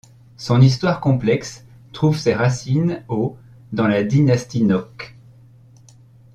Son histoire complexe trouve ses racines au dans la dynastie Nock.